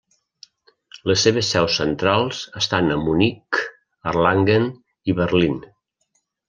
Les seves seus centrals estan a Munic, Erlangen i Berlín.